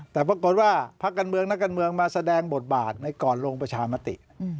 แต่ปรากฏว่าพักการเมืองนักการเมืองมาแสดงบทบาทในก่อนลงประชามติ